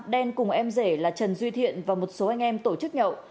đen cùng em rể là trần duy thiện và một số anh em tổ chức nhậu